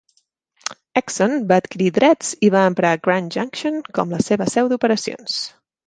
Exxon va adquirir drets i va emprar Grand Junction com la seva seu d'operacions.